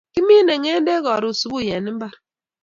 Kimine ngedek karun subui en imbar